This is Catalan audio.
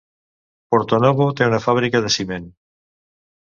Porto-Novo té una fàbrica de ciment.